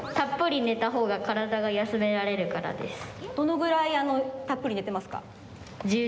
どのぐらいたっぷり寝てますか？